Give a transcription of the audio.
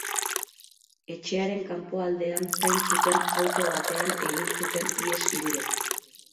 Etxearen kanpoaldean zain zuten auto batean egin zuten ihes hirurek.